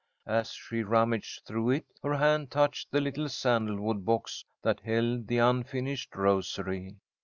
As she rummaged through it, her hand touched the little sandalwood box that held the unfinished rosary.